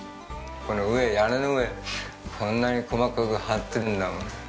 この上屋根の上こんなに細かく張ってるんだもん。